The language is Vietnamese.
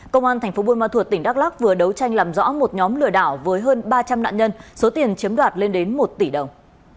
công an thành phố buôn ma thuột tỉnh đắk lắc vừa đấu tranh làm rõ một nhóm lừa đảo với hơn ba trăm linh nạn nhân số tiền chiếm đoạt lên đến một tỷ đồng